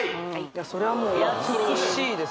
それはもう美しいですよ